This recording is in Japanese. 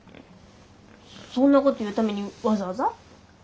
そんなこと言うためにわざわざ？